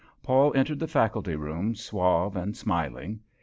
Paul entered the faculty room suave and smiling.